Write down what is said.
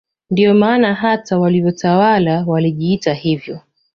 Ndio maana hata walivyotawala walijiita hivyo